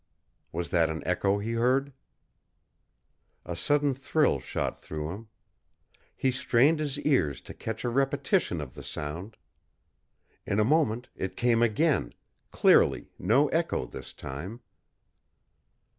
Was that an echo he heard? A sudden thrill shot through him. He strained his ears to catch a repetition of the sound. In a moment it came again clearly no echo this time.